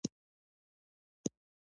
عبادت د الله لپاره دی.